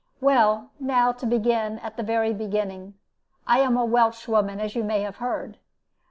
Well, now, to begin at the very beginning: I am a Welshwoman, as you may have heard.